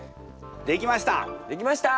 できました！